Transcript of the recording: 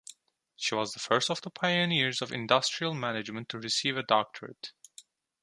She was the first of the pioneers of industrial management to receive a doctorate.